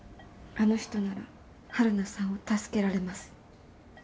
あの人なら晴汝さんを助けられます。